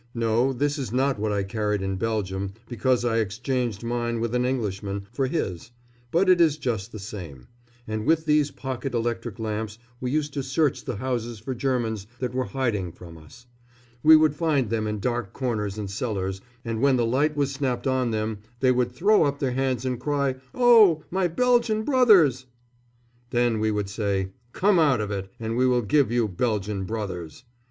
No, this is not what I carried in Belgium, because I exchanged mine with an Englishman for his; but it is just the same. And with these pocket electric lamps we used to search the houses for Germans that were hiding from us. We would find them in dark corners and cellars, and when the light was snapped on them they would throw up their hands and cry, "Oh, my Belgian brothers!" Then we would say, "Come out of it, and we will give you Belgian brothers!"